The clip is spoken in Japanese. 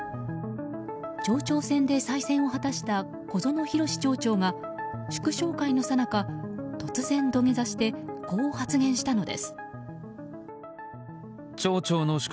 町長選で再選を果たした小園拓志町長が祝勝会のさなか、突然土下座してこう発言したのです。